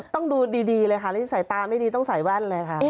ต้องดูดีเลยค่ะสายตาไม่ดีต้องใส่แว่นเลยค่ะ